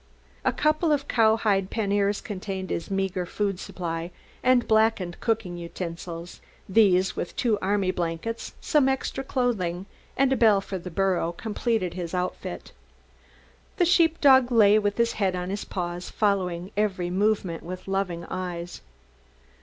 A couple of cowhide paniers contained his meager food supply and blackened cooking utensils. These, with two army blankets, some extra clothing and a bell for the burro, completed his outfit. The sheep dog lay with his head on his paws, following every movement with loving eyes.